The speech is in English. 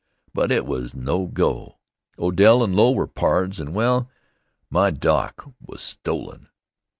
But it was no go. Odell and Low were pards and well, my dock was stolen.